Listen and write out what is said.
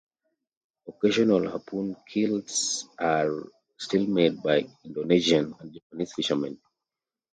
Occasional harpoon kills are still made by Indonesian and Japanese fishermen.